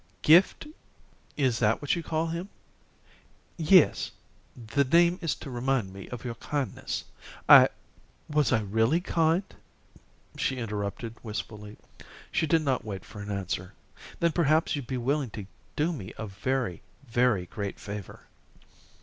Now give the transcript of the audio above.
"Gift " "Is that what you call him?" "Yes. The name is to remind me of your kindness. I " "Was I really kind?" she interrupted wistfully. She did not wait for an answer. "Then perhaps you'd be willing to do me a very, very great favor."